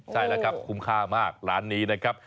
ใช่แล้วครับคุ้มค่ามากร้านนี้นะครับ